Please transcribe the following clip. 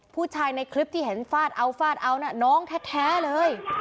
ผู้ชายในคลิปที่เห็นฟาดเอาฟาดเอาน่ะน้องแท้เลย